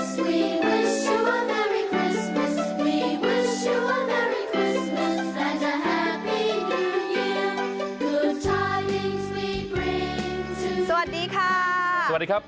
สวัสดีค่ะสวัสดีครับ